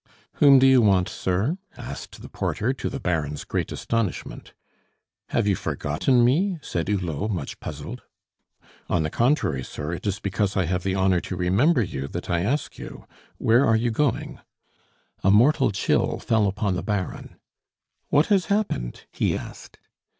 "Whom do you want, sir?" asked the porter, to the Baron's great astonishment. "Have you forgotten me?" said Hulot, much puzzled. "On the contrary, sir, it is because I have the honor to remember you that I ask you, Where are you going?" A mortal chill fell upon the Baron. "What has happened?" he asked.